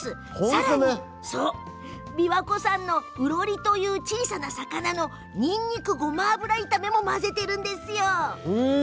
さらに琵琶湖産のうろりという小さな魚のにんにくごま油炒めも混ぜているんですよ。